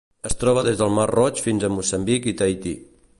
Es troba des del Mar Roig fins a Moçambic i Tahití.